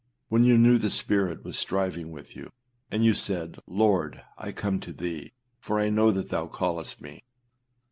â when you knew the Spirit was striving with you, and you said, Lord, I come to thee, for I know that thou callest me.